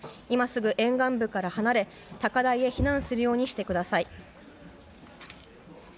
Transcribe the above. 今すぐ沿岸部から離れ高台へ避難するようにしてください。